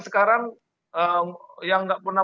sekarang yang nggak pernah